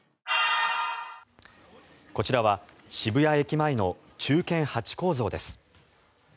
こちらは渋谷駅前の忠犬ハチ公像です。